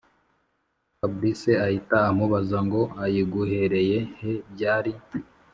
fabric ahita amubaza ngo ayiguhereye he byari